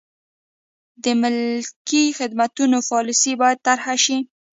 د ملکي خدمتونو پالیسي باید طرحه شي.